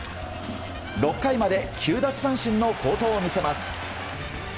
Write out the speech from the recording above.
６回まで９奪三振の好投を見せます。